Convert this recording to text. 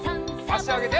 あしあげて。